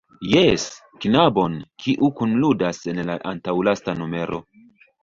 Jes, knabon, kiu kunludas en la antaŭlasta numero.